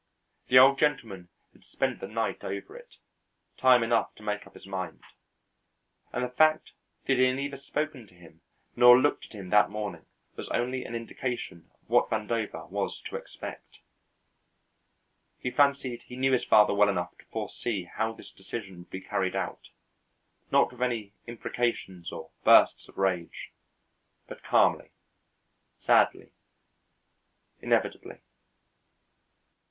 The Old Gentleman had spent the night over it, time enough to make up his mind, and the fact that he had neither spoken to him nor looked at him that morning was only an indication of what Vandover was to expect. He fancied he knew his father well enough to foresee how this decision would be carried out, not with any imprecations or bursts of rage, but calmly, sadly, inevitably.